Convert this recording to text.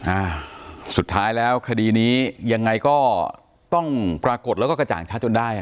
อ่าสุดท้ายแล้วคดีนี้ยังไงก็ต้องปรากฏแล้วก็กระจ่างชัดจนได้อ่ะ